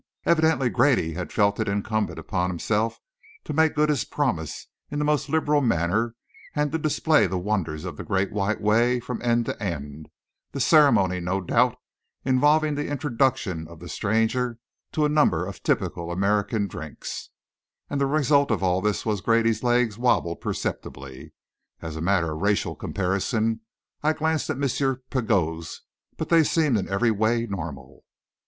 Evidently Grady had felt it incumbent upon himself to make good his promise in the most liberal manner, and to display the wonders of the Great White Way from end to end the ceremony no doubt involving the introduction of the stranger to a number of typical American drinks and the result of all this was that Grady's legs wobbled perceptibly. As a matter of racial comparison, I glanced at M. Pigot's, but they seemed in every way normal.